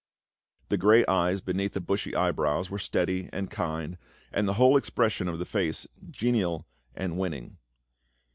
The grey eyes beneath the bushy eyebrows were steady and kind, and the whole expression of the face genial and winning.